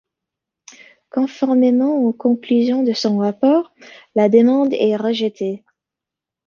Conformément aux conclusions de son rapport, la demande est rejetée.